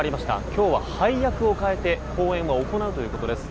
今日は配役を変えて公演を行うということです。